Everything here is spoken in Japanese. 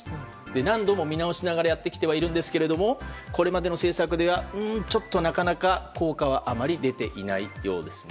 何度も見直しながらやってきてはいるんですがこれまでの政策では、ちょっとなかなか効果はあまり出ていないようですね。